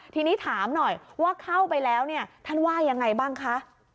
ทีนี้ถามหน่อยว่าเข้าไปแล้วเนี่ยท่านว่ายังไงบ้างคะ